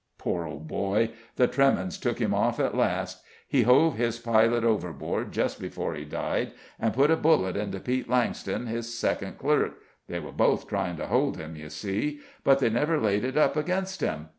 Poor old boy! the tremens took him off at last. He hove his pilot overboard just before he died, and put a bullet into Pete Langston, his second clerk they were both trying to hold him, you see but they never laid it up against him.